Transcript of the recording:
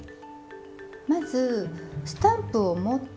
まずスタンプを持って。